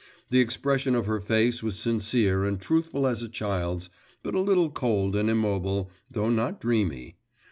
The expression of her face was sincere and truthful as a child's, but a little cold and immobile, though not dreamy.